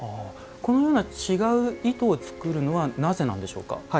このような違う糸を作るのはなぜなんでしょうか。